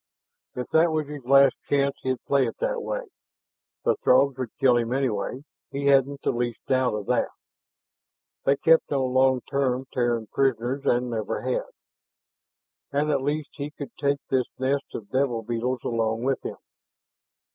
If that was his last chance, he'd play it that way. The Throgs would kill him anyhow, he hadn't the least doubt of that. They kept no long term Terran prisoners and never had. And at least he could take this nest of devil beetles along with him.